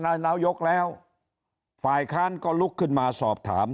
นายกแล้วฝ่ายค้านก็ลุกขึ้นมาสอบถาม